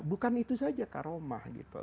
bukan itu saja kak roma